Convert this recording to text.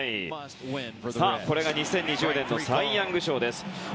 ２０２０年のサイ・ヤング賞です。